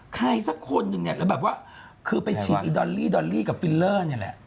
ใครสักคนเนี่ยแบบว่าคือไปฉีดดอลลี่กับฟิลเลอร์เนี่ยแหละ